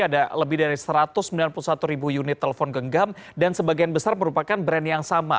ada lebih dari satu ratus sembilan puluh satu ribu unit telepon genggam dan sebagian besar merupakan brand yang sama